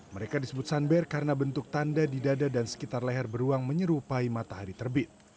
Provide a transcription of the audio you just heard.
mereka disebut sunber karena bentuk tanda di dada dan sekitar leher beruang menyerupai matahari terbit